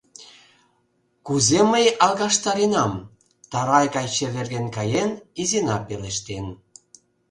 — Кузе мый алгаштаренам? — тарай гай чеверген каен, Изина пелештен.